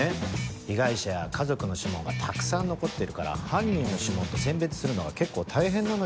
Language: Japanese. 被害者や家族の指紋がたくさん残ってるから犯人の指紋と選別するのが結構大変なのよ。